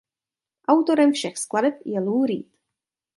Autorem všech skladeb je Lou Reed.